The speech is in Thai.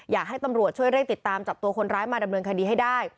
อยากให้ตำรวจช่วยเร่งติดตามจับตัวคนร้ายมาดำเนินคดีให้ได้